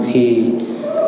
khi có diễn biến xảy ra